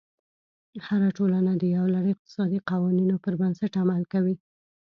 هره ټولنه د یو لړ اقتصادي قوانینو پر بنسټ عمل کوي.